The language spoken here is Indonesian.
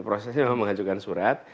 prosesnya memang mengajukan surat